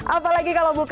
apalagi kalau bukan online